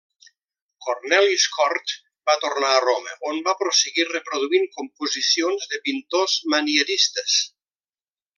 Cornelis Cort va tornar a Roma, on va prosseguir reproduint composicions de pintors manieristes.